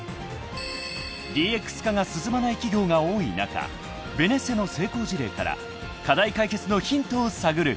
［ＤＸ化が進まない企業が多い中ベネッセの成功事例から課題解決のヒントを探る］